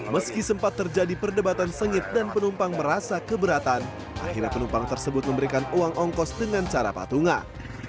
meski sempat terjadi perdebatan sengit dan penumpang merasa keberatan akhirnya penumpang tersebut memberikan uang ongkos dengan cara patungan